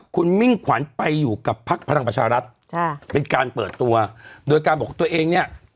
คุณมิ่งขวัญไปอยู่กับพักพลังประชารัฐใช่เป็นการเปิดตัวโดยการบอกตัวเองเนี่ย